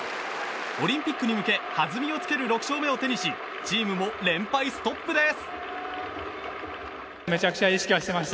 オリンピックに向け弾みをつける６勝目を手にしチームも連敗ストップです。